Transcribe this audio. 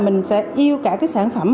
mình sẽ yêu cả cái sản phẩm